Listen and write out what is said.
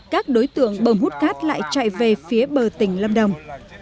các đối tượng bầm hút cát lại chạy về phía bờ tỉnh lâm đồng